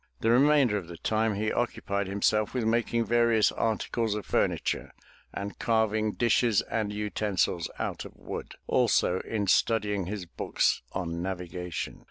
The remainder of his time he occupied himself with making various articles of furniture and carving dishes and utensils out of wobd, also in studying his books on navigation.